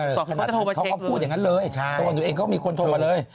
เขาก็พูดอย่างนั้นเลยตัวหนูเองก็มีคนโทรมาเลย